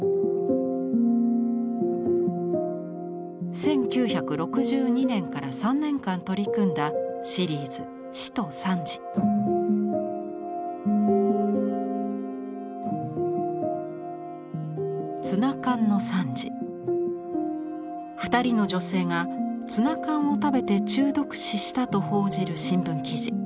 １９６２年から３年間取り組んだシリーズ２人の女性がツナ缶を食べて中毒死したと報じる新聞記事。